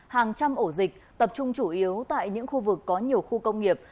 hàng trăm ổ dịch tập trung chủ yếu tại những khu vực có nhiều khu công nghiệp